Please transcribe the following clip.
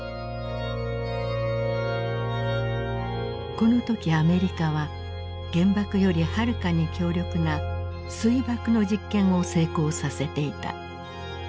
この時アメリカは原爆よりはるかに強力な水爆の実験を成功させていた。